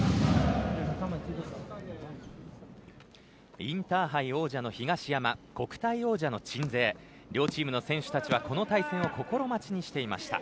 インターハイ王者の東山国体王者の鎮西両チームの選手たちはこの対戦を心待ちにしていました。